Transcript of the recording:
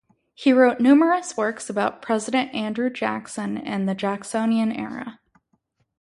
He wrote numerous works about President Andrew Jackson and the Jacksonian Era.